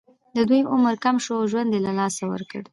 د دوی عمر کم شو او ژوند یې له لاسه ورکړ.